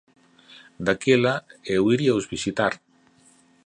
Daquela, eu iríaos visitar.